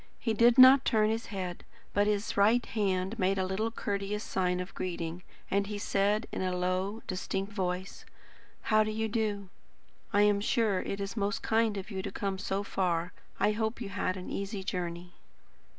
He did not turn his head, but his right hand made a little courteous sign of greeting, and he said in a low, distinct voice: "How do you do? I am sure it is most kind of you to come so far. I hope you had an easy journey."